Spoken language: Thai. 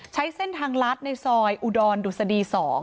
ใช้เส้นทางลัดในซอยอุดรดุษฎี๒